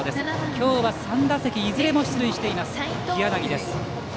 今日は３打席いずれも出塁しています、日柳。